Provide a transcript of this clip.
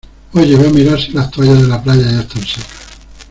Oye, ve a mirar si las toallas de la playa ya están secas.